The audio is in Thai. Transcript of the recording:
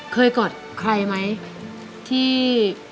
กอดใครไหมที่